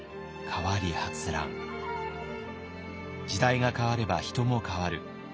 時代が変われば人も変わる。